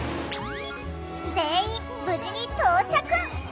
全員無事に到着。